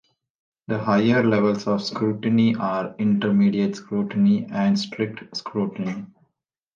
The higher levels of scrutiny are intermediate scrutiny and strict scrutiny.